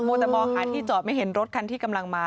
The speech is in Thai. แต่มองหาที่จอดไม่เห็นรถคันที่กำลังมา